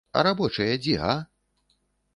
А рабочыя дзе, а?